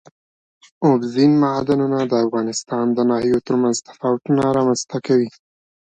اوبزین معدنونه د افغانستان د ناحیو ترمنځ تفاوتونه رامنځ ته کوي.